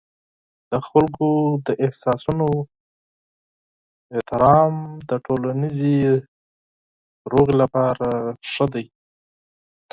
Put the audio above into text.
د خلکو د احساساتو احترام د ټولنیز سولې لپاره مهم دی.